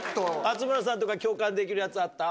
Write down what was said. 松村さんとか共感できるやつあった？